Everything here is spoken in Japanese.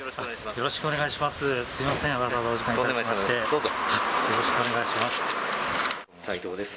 よろしくお願いします。